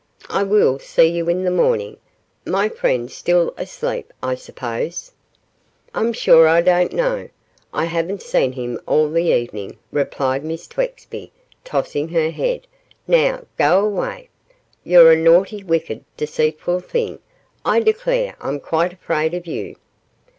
'I will see you in the morning. My friend still asleep, I suppose?' 'I'm sure I don't know. I haven't seen him all the evening,' replied Miss Twexby, tossing her head, 'now, go away. You're a naughty, wicked, deceitful thing. I declare I'm quite afraid of you.